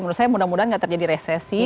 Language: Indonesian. menurut saya mudah mudahan nggak terjadi resesi